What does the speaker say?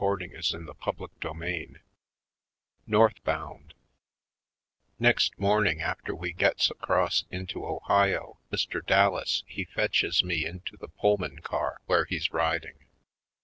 North Bound 27 CHAPTER II North Bound NEXT morning after we gets across into Ohio, Mr. Dallas he fetches me into the Pullman car where he's riding.